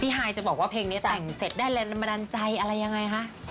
พี่ฮายจะบอกว่าเพลงนี้แต่งเสร็จได้แล้วนำมาดันใจอะไรยังไงฮะ